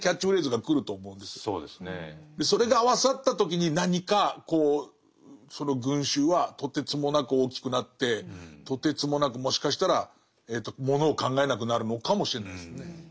それが合わさった時に何かこうその群衆はとてつもなく大きくなってとてつもなくもしかしたらものを考えなくなるのかもしれないですね。